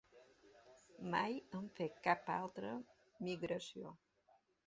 Mai hem fet cal altra migració.